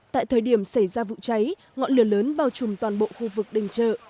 tại thời điểm xảy ra vụ cháy ngọn lửa lớn bao trùm toàn bộ khu vực đình chợ